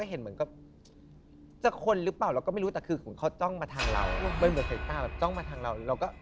เหมือนเหมือนสายตาจ้องมาทางเรา